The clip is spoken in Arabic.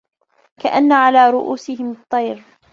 كأن على رءوسهم الطير